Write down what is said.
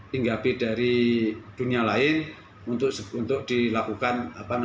hinggapi dari dunia lain untuk dilakukan